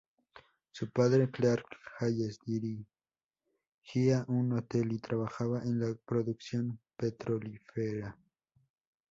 Su padre, Clark Hayes, dirigía un hotel y trabajaba en la producción petrolífera.